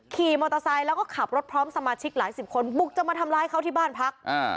ขี่มอเตอร์ไซค์แล้วก็ขับรถพร้อมสมาชิกหลายสิบคนบุกจะมาทำร้ายเขาที่บ้านพัก